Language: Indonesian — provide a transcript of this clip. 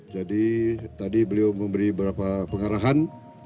jadi tadi beliau memberi beberapa pengarahan